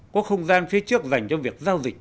có không gian phía trước dành cho việc giao dịch